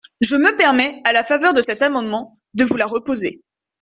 Je me permets, à la faveur de cet amendement, de vous la reposer.